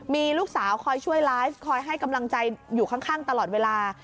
มีลูกสาวคอยช่วยไลฟ์คอยให้กำลังใจอยู่ข้างตลอดเวลา